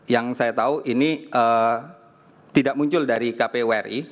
yang saya tahu ini tidak muncul dari kpu ri